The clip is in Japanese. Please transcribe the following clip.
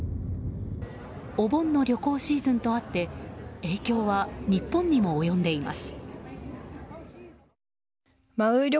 お盆の旅行シーズンとあって影響は日本にも及んでいます。